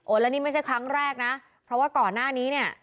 แล้วนี่ไม่ใช่ครั้งแรกนะเพราะว่าก่อนหน้านี้เนี่ย